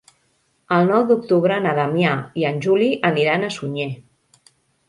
El nou d'octubre na Damià i en Juli aniran a Sunyer.